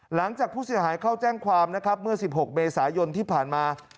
หลังจากผู้เสียหายเข้าแจ้งความนะครับเมื่อ๑๖เมษายนที่ผ่านมา